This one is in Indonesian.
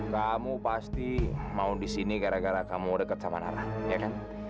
kamu pasti mau di sini gara gara kamu dekat sama nara ya kan